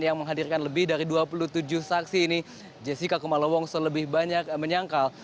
yang menggantikan lebih dari dua puluh tujuh saksi ini jessica kumalowongso lebih banyak menyangkal